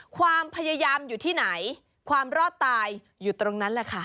ความพยายามอยู่ที่ไหนความรอดตายอยู่ตรงนั้นแหละค่ะ